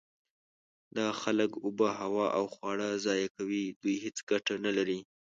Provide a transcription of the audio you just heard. دا خلک اوبه، هوا او خواړه ضایع کوي. دوی هیڅ ګټه نلري.